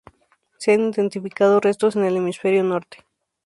Se han identificado restos en el Hemisferio Norte.